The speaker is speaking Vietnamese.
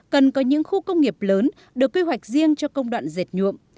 cần có những khu công nghiệp lớn được quy hoạch riêng cho công đoạn dệt nhuộm